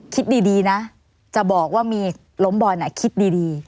คิดดีนะจะบอกว่ามีล้มบอลคิดดี